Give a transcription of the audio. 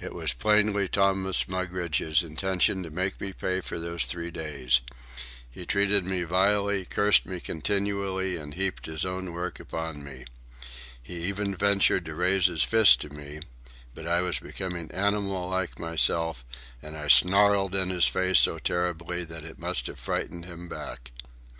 It was plainly Thomas Mugridge's intention to make me pay for those three days. He treated me vilely, cursed me continually, and heaped his own work upon me. He even ventured to raise his fist to me, but I was becoming animal like myself, and I snarled in his face so terribly that it must have frightened him back.